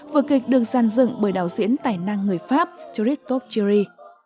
vở kịch được dàn dựng bởi đạo diễn tài năng người pháp tristop thierry